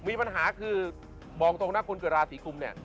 มีปัญหาคือบอกตรงหน้าคนราศรีคุมเนี่ย